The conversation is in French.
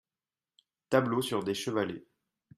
Tableaux sur des chevalets.